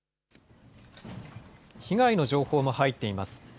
被害の情報も入っています。